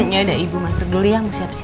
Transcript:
ya udah ibu masuk dulu ya mu siap dua